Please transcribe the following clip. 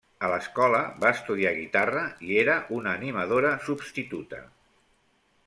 A l'escola va estudiar guitarra i era una animadora substituta.